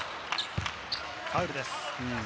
ファウルです。